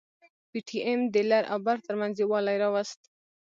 پي ټي ايم د لر او بر ترمنځ يووالي راوست.